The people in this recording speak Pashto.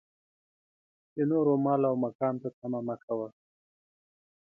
د نورو مال او مقام ته طمعه مه کوه.